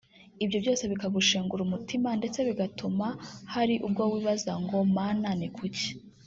ibyo byose bikagushengura umutima ndetse bigatuma hari ubwo wibaza ngo “Mana ni kuki